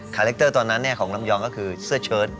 คาแรคเตอร์ตอนนั้นของลำยองก็คือเสื้อเชิด